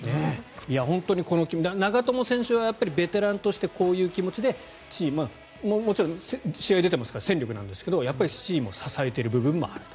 本当にこういう気持ちで長友選手はベテランとしてこういう気持ちでチームもちろん試合に出ていますから戦力ですからやっぱりチームを支えている部分もあると。